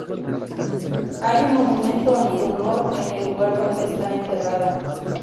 Hay un monumento en su honor en el lugar donde está enterrada.